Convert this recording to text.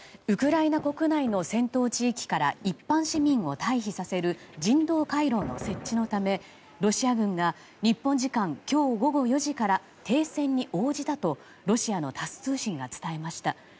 ウクライナ国内の戦闘地域から一般市民を退避させる人道回廊の設置のためロシア軍が日本時間今日午後４時から停戦に応じたとロシアのタス通信が伝えました。